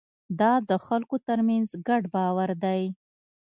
دا د خلکو ترمنځ ګډ باور دی.